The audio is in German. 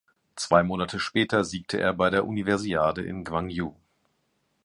Zwei Monate später siegte er bei der Universiade in Gwangju.